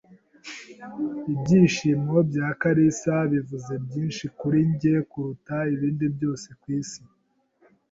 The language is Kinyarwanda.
Ibyishimo bya kalisa bivuze byinshi kuri njye kuruta ibindi byose kwisi.